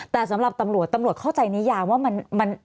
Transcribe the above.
แต่สำหรับตำรวจตำรวจเข้าใจนิยามว่ามัน